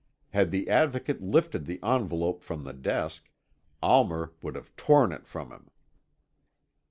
Had the Advocate lifted the envelope from the desk, Almer would have torn it from him.